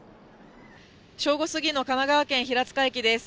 正午過ぎの神奈川県平塚駅です。